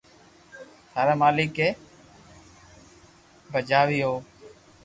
ٿاري مالڪ اي پڄيٽاوي ھو